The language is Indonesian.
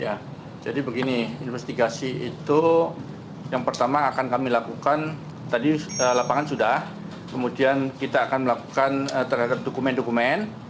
ya jadi begini investigasi itu yang pertama akan kami lakukan tadi lapangan sudah kemudian kita akan melakukan terhadap dokumen dokumen